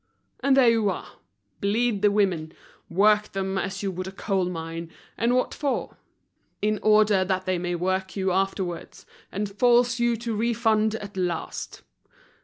And there you are! Bleed the women, work them as you would a coal mine, and what for? In order that they may work you afterwards, and force you to refund at last!